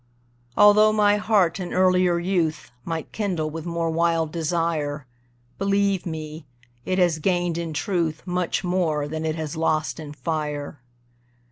Altho' my heart in earlier youth Might kindle with more wild desire, Believe me, it has gained in truth Much more than it has lost in fire.